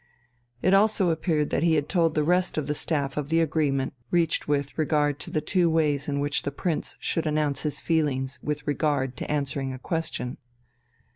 It also appeared that he had told the rest of the staff of the agreement reached with regard to the two ways in which the Prince should announce his feelings with regard to answering a question.